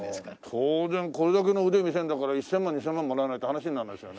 当然これだけの腕見せるんだから１千万２千万もらわないと話にならないですよね。